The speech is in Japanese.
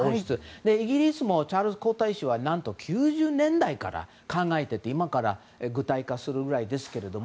イギリスもチャールズ皇太子は何と９０年代から考えていて今から具体化するぐらいですけれども。